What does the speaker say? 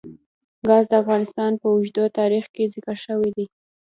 ګاز د افغانستان په اوږده تاریخ کې ذکر شوی دی.